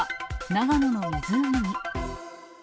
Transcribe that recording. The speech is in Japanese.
長野の湖に。